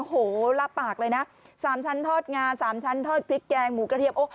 โอ้โหรับปากเลยนะ๓ชั้นทอดงา๓ชั้นทอดพริกแกงหมูกระเทียม